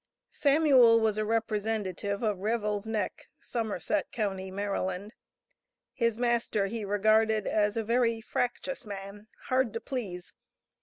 Samuel was a representative of Revel's Neck, Somerset Co., Md. His master he regarded as a "very fractious man, hard to please."